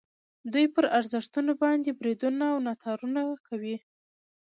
دوی پر ارزښتونو باندې بریدونه او ناتارونه کوي.